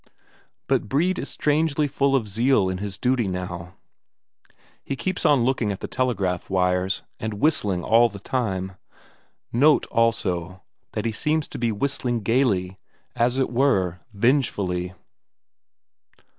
But Brede is strangely full of zeal in his duty now, he keeps on looking at the telegraph wires, and whistling all the time. Note, also, that he seems to be whistling gaily, as it were vengefully.